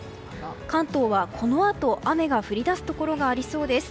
関東はこのあと雨が降り出すところがありそうです。